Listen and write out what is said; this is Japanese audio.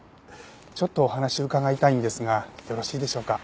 ちょっとお話伺いたいんですがよろしいでしょうか？